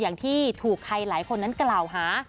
อย่างที่ถูกใครหลายคนนั้นกล่าวหา